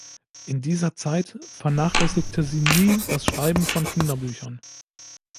In dieser Zeit vernachlässigte sie nie das Schreiben von Kinderbüchern.